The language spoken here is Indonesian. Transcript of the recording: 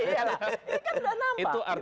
ini kan sudah nampak